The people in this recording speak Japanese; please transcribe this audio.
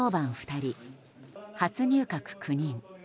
２人、初入閣９人。